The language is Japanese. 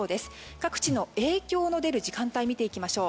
各地の影響の出る時間帯を見ていきましょう。